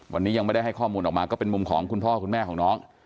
วันนี้ยังไม่ได้ให้ข้อมูลออกมาก็เป็นมุมของคุณพ่อคุณแม่ของน้อง